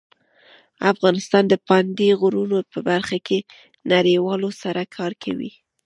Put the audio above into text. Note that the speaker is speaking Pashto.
افغانستان د پابندي غرونو په برخه کې له نړیوالو سره کار کوي.